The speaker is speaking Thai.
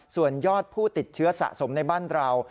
ส่วนยอดผู้ติดเชื้อสะสมในบ้านเรา